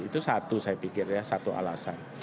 itu satu saya pikir ya satu alasan